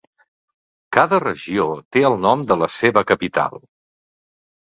Cada regió té el nom de la seva capital.